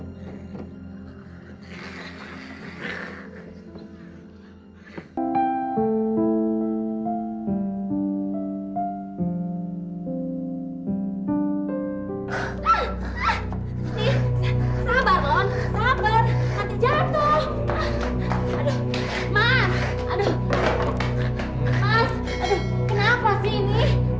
mas kenapa sih ini